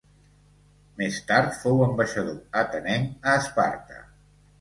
Més tard fou ambaixador atenenc a Esparta.